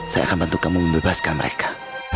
saya akan bantu kamu membebaskan mereka